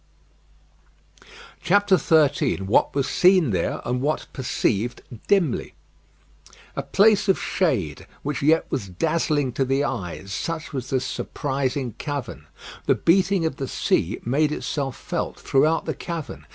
XIII WHAT WAS SEEN THERE; AND WHAT PERCEIVED DIMLY A place of shade, which yet was dazzling to the eyes such was this surprising cavern. The beating of the sea made itself felt throughout the cavern.